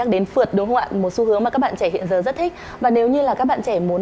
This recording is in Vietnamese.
đi phượt đối ngoại một xu hướng mà các bạn trẻ hiện giờ rất thích và nếu như là các bạn trẻ muốn